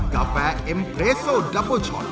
กาแฟเอ็มเพรโซดับเบิ้ลชอต